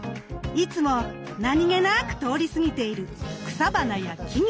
いつも何気なく通り過ぎている草花や木々。